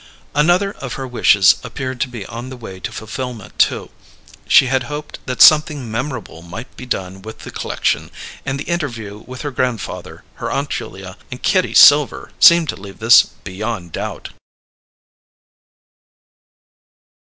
Another of her wishes appeared to be on the way to fulfilment, too. She had hoped that something memorable might be done with the c'lection, and the interview with her grandfather, her Aunt Julia, and Kitty Silver seemed to leave this beyond doubt.